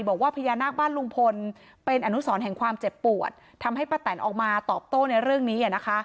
บอกว่าพญานาคบ้านลุงพลเป็นอนุสรแห่งความเจ็บปวดทำให้ป้าแตนออกมาตอบโต้ในเรื่องนี้